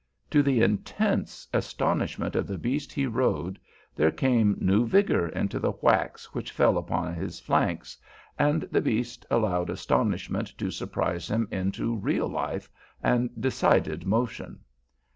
To the intense astonishment of the beast he rode, there came new vigor into the whacks which fell upon his flanks; and the beast allowed astonishment to surprise him into real life and decided motion.